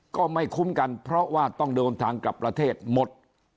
ก็ไม่คุ้มกันเพราะว่าต้องเดินทางกลับประเทศหมด